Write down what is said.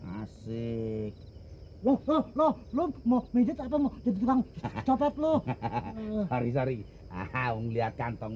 asik loh loh loh lo mau meja apa mau jadi tukang sopet lo hari hari ahau ngeliat kantong